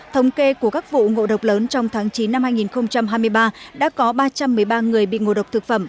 thống kê của các vụ ngộ độc lớn trong tháng chín năm hai nghìn hai mươi ba đã có ba trăm một mươi ba người bị ngộ độc thực phẩm